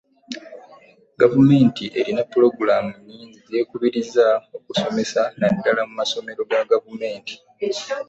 Gavumenti erina pulogulaamu nnyingi z'ekubiriza okusomeseza ddala mu masomero ga gavumenti.